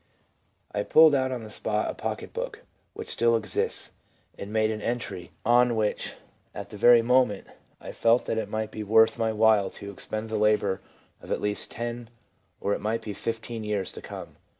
I pulled out on the spot a pocket book, which still exists, anc} made an CONSCIOUS AND SUB CONSCIOUS ELEMENTS in entry, on which, at the very moment, I felt that it might be worth my while to expend the labour of at least ten (or it might be fifteen) years to come.